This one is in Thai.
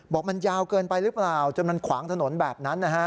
บอกมันยาวเกินไปหรือเปล่าจนมันขวางถนนแบบนั้นนะฮะ